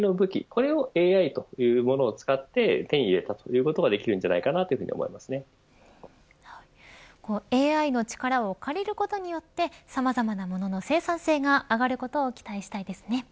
これをＡＩというものを使って手に入れたということがＡＩの力を借りることによってさまざまなものの生産性が上がることを期待したいですね。